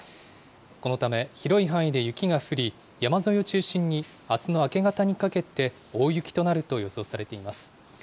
このため、広い範囲で雪が降り、山沿いを中心にあすの明け方にかけて大雪となると予想されています。